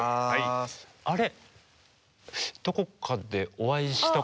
あれ？